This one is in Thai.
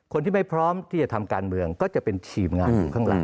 คนที่ไม่พร้อมที่จะทำการเมืองก็จะเป็นทีมงานอยู่ข้างหลัง